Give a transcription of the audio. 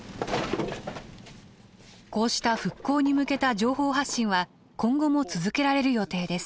こうした復興に向けた情報発信は今後も続けられる予定です。